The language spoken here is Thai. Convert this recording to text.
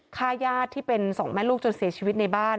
ฆ่าญาติที่เป็นสองแม่ลูกจนเสียชีวิตในบ้าน